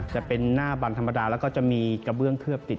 จะเป็นหน้าบันธรรมดาแล้วก็จะมีกระเบื้องเคลือบติด